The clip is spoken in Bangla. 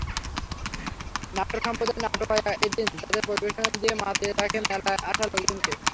নাট্যসম্প্রদায় নাটুয়া এদিন তাদের পরিবেশনা দিয়ে মাতিয়ে রাখে মেলায় আসা লোকজনকে।